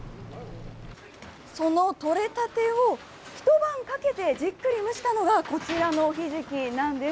その採れたてを、一晩かけてじっくり蒸したのが、こちらのひじきなんです。